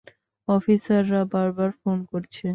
অফিসাররা বারবার ফোন করছে।